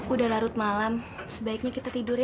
udah larut malam sebaiknya kita tidur ya